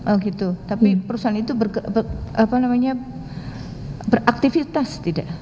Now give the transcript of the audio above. oh gitu tapi perusahaan itu beraktivitas tidak